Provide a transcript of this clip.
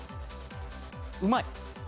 うまい。